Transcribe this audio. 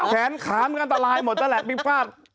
แขนขามันกันตาลายหมดจ้ะแหละ